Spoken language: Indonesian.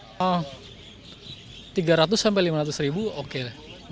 hmm tiga ratus sampai lima ratus ribu oke lah